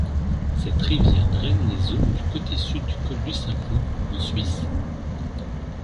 Cette rivière draine les eaux du côté sud du Col du Simplon, en Suisse.